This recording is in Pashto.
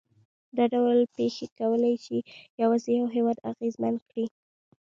دا ډول پېښې کولای شي یوازې یو هېواد اغېزمن کړي.